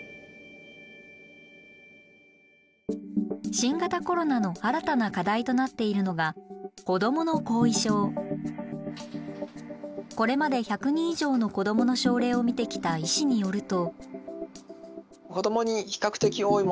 新型コロナの新たな課題となっているのがこれまで１００人以上の子どもの症例を診てきた医師によると。